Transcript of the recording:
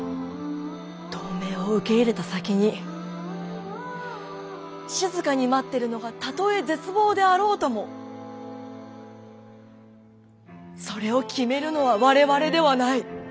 同盟を受け入れた先にしずかに待ってるのがたとえ絶望であろうともそれを決めるのは我々ではない。